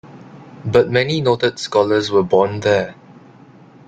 But many noted scholars were born there.